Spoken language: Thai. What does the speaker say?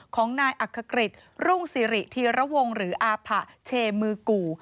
ของนายอักษกฤษรุ่งสิริธีระวงหรืออาผะเชมือกู่